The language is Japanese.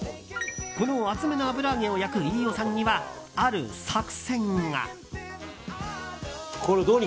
この厚めの油揚げを焼く飯尾さんにはある作戦が。